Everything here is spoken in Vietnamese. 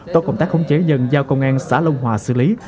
tổ công tác khống chế dần giao công an xã long hòa xử lý